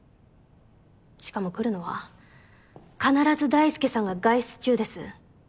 しかも来るのは必ず大輔さんが外出中です。